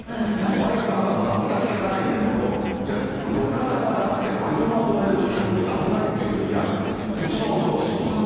ワイパーが全く効かないんだけど、じゃあ路肩がなくて車止めると、逆に危ないっていうときが一番恐ろしいんですよ。